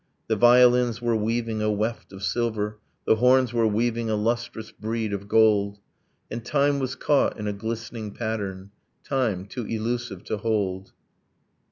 The violins were weaving a weft of silver, The horns were weaving a lustrous brede of gold, And time was caught in a glistening pattern, Time, too elusive to hold